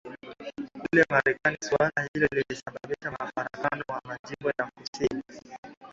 Kule Marekani suala hilo lilisababisha mfarakano wa majimbo ya kusini